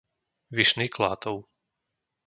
Vyšný Klátov